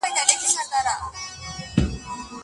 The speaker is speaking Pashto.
چي دا پاته ولي داسي له اغیار یو؟٫